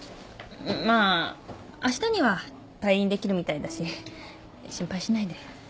まああしたには退院できるみたいだし心配しないで。